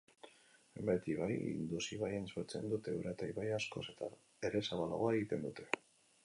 Hainbat ibaik Indus ibaian isurtzen dute ura eta ibaia askoz ere zabalagoa egiten dute.